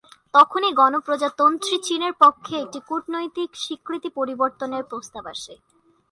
তখনই গণপ্রজাতন্ত্রী চীনের পক্ষ থেকে কূটনৈতিক স্বীকৃতি পরিবর্তনের প্রস্তাব আসে।